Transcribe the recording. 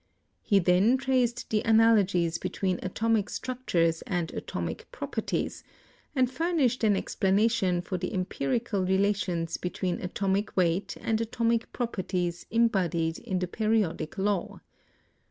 He then traced the analogies be tween atomic structures and atomic properties, and fur nished an explanation for the empirical relations be tween atomic weight and atomic properties embodied in the Periodic Law.